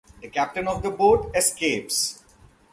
The captain of the boat escapes.